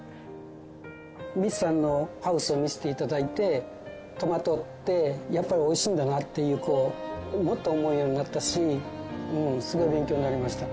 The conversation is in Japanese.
三須さんのハウスを見せて頂いてトマトってやっぱりおいしいんだなっていうもっと思うようになったしもうすごい勉強になりました。